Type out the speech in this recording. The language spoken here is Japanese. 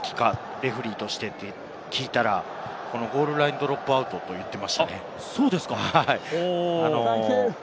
レフェリーとしてというふうに聞いたら、ゴールラインドロップアウトと言っていました。